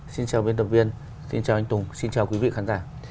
xin chào viên đồng viên xin chào anh tùng xin chào quý vị khán giả